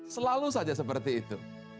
selalu saja seperti itu